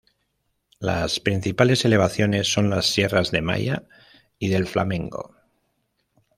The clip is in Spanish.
Las principales elevaciones son las Sierras del Maia y del Flamengo.